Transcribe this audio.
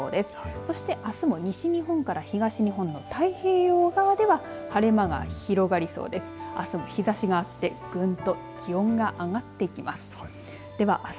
そして、あすも西日本から東日本の太平洋側では晴れ間が広がりそうです。